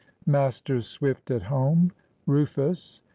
MASTER SWIFT AT HOME.—RUFUS.